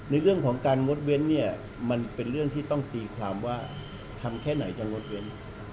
ในเรื่องของการงดเว้นเนี่ยมันเป็นเรื่องที่ต้องตีความว่าทำแค่ไหนจะงดเว้น